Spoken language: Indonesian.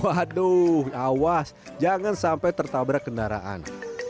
waduh awas jangan sampai tertabrak kendaraan